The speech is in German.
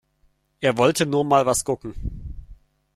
Er wollte nur mal was gucken.